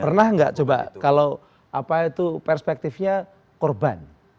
pernah gak coba kalau perspektifnya korban